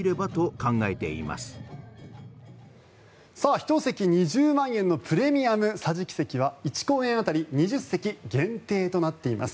１席２０万円のプレミアム桟敷席は１公演当たり２０席限定となっています。